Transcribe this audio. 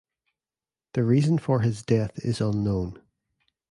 The reason for his death is unknown.